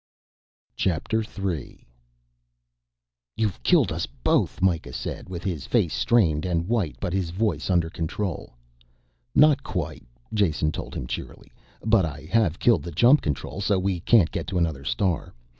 III "You've killed us both," Mikah said with his face strained and white but his voice under control. "Not quite," Jason told him cheerily. "But I have killed the jump control so we can't get to another star.